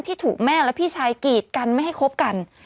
ที่ถูกแม่และพี่ชายกีดกันไม่ให้คบกัน